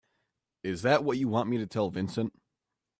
Is that what you want me to tell Vincent?